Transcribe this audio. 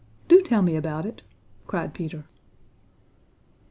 Do tell me about it!" cried Peter.